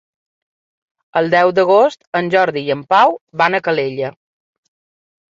El deu d'agost en Jordi i en Pau van a Calella.